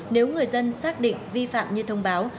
nếu người dân xác định vi phạm như thông báo